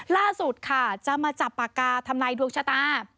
ล่าสุดค่ะจะมาจับปากกาทำลายดวงชะตา